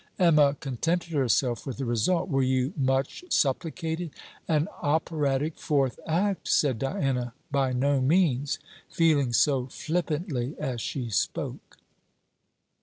Emma contented herself with the result. 'Were you much supplicated?' 'An Operatic Fourth Act,' said Diana, by no means; feeling so flippantly as she spoke.